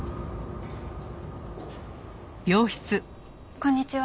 こんにちは。